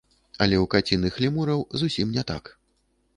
Але ў каціных лемураў зусім не так.